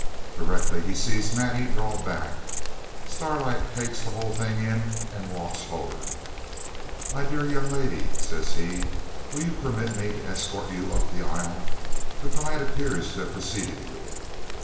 Directly he sees Maddie draw back, Starlight takes the whole thing in, and walked forward. 'My dear young lady,' says he, 'will you permit me to escort you up the aisle? The bride appears to have preceded you.'